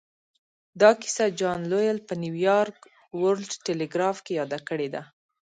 دا کيسه جان لويل په نيويارک ورلډ ټيليګراف کې ياده کړې ده.